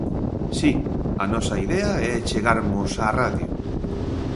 Si, a nosa idea é chegarmos á radio.